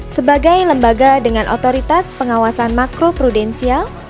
sebagai lembaga dengan otoritas pengawasan makro prudensial